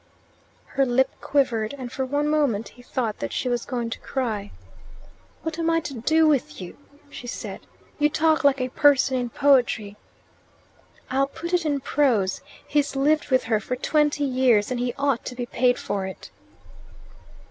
Her lip quivered, and for one moment he thought that she was going to cry. "What am I to do with you?" she said. "You talk like a person in poetry." "I'll put it in prose. He's lived with her for twenty years, and he ought to be paid for it."